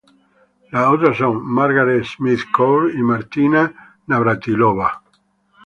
Las otras son Margaret Smith Court y Martina Navratilova.